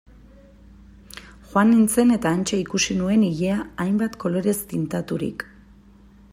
Joan nintzen eta hantxe ikusi nuen ilea hainbat kolorez tindaturik...